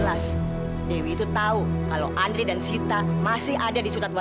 sampai jumpa di video selanjutnya